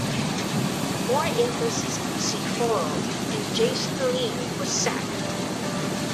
More inconsistency followed, and Jason Lee was sacked.